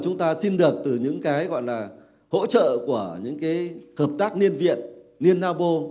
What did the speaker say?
chúng ta xin được từ những cái gọi là hỗ trợ của những cái hợp tác niên viện niên nao bô